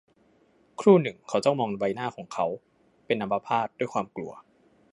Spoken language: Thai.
ครู่หนึ่งเขาจ้องมองใบหน้าของเขา - เป็นอัมพาตด้วยความกลัว